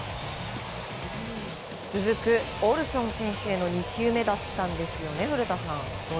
続くオルソン選手への２球目だったんですね。